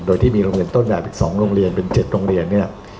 โดยที่มีโรงเรียนต้นแบบอีก๒โรงเรียนเป็น๗โรงเรียนเนี่ย